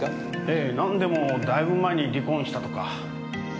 ええ何でもだいぶ前に離婚したとか。